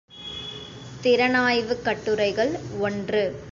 திறனாய்வுக் கட்டுரைகள் ஒன்று.